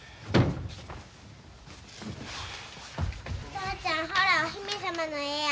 お父ちゃんほらお姫様の絵や。